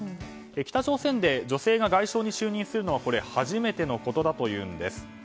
北朝鮮で女性が外相に就任するのは初めてのことだというんです。